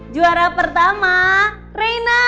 juara pertama reina